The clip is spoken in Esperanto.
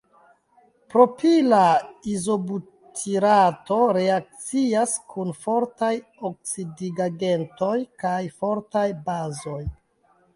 Propila izobutirato reakcias kun fortaj oksidigagentoj kaj fortaj bazoj.